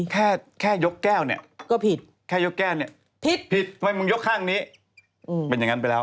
แค่ยกแก้วเนี่ย